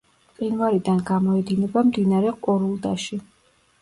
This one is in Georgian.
მყინვარიდან გამოედინება მდინარე ყორულდაში.